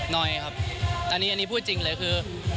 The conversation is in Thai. น้อยครับอันนี้อันนี้พูดจริงเลยคือ